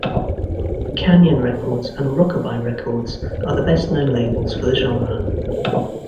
Canyon Records and Rock-A-Bye Records are the best known labels for the genre.